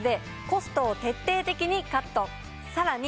さらに。